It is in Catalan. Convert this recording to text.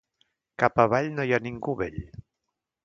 Cap avall no hi ha ningú vell.